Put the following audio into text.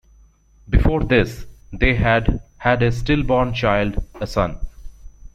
Before this, they had had a stillborn child, a son.